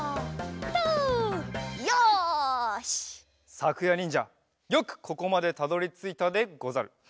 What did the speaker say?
さくやにんじゃよくここまでたどりついたでござる。